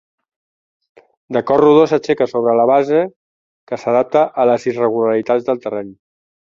De cos rodó s'aixeca sobre la base que s'adapta a les irregularitats del terreny.